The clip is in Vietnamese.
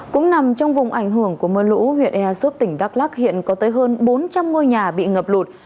cũng nằm trong vùng ảnh hưởng của mưa lũ huyện ea súp tỉnh đắk lắc hiện có tới hơn bốn trăm linh ngôi nhà bị ngập lụt